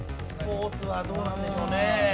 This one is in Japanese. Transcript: スポーツはどうなんでしょうね？